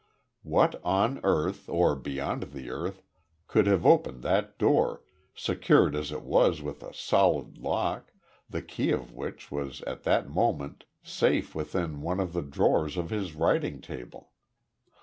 What on earth or beyond the earth could have opened that door, secured as it was with a solid lock, the key of which was at that moment safe within one of the drawers of his writing table?